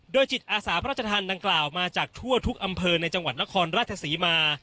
จิตอาสาพระราชทานดังกล่าวมาจากทั่วทุกอำเภอในจังหวัดนครราชศรีมา